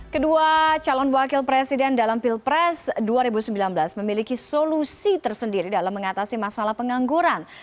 kedua calon wakil presiden dalam pilpres dua ribu sembilan belas memiliki solusi tersendiri dalam mengatasi masalah pengangguran